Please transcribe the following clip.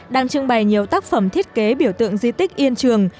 đang trưng bày nhiều tác phẩm thiết kế biểu tượng di tích yên trường